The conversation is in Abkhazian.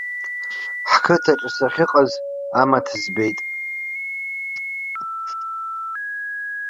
Ҳқыҭаҿы сахьыҟаз, амаҭ збеит.